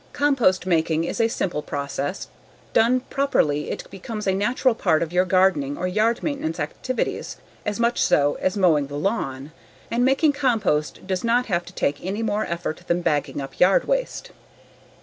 Compost making is a simple process. Done properly it becomes a natural part of your gardening or yard maintenance activities, as much so as mowing the lawn. And making compost does not have to take any more effort than bagging up yard waste.